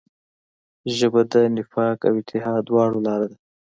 ژبه د نفاق او اتحاد دواړو لاره ده